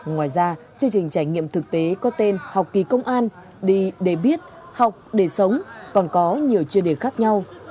ngoài ra chương trình trải nghiệm thực tế có tên học kỳ công an đi để biết học để sống còn có nhiều chuyên đề khác nhau